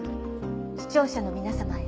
視聴者の皆さまへ。